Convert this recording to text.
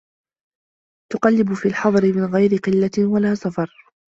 تُقَلَّبُ فِي الْحَضَرِ مِنْ غَيْرِ قِلَّةٍ وَلَا سَفَرٍ